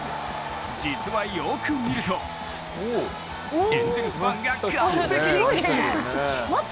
実は、よく見るとエンゼルスファンが完璧にキャッチ！